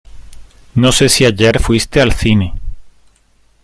No sé si ayer fuiste al cine.